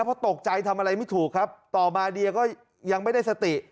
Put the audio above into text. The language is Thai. เพราะตกใจทำอะไรไม่ถูกครับต่อมาเดียก็ยังไม่ได้สติ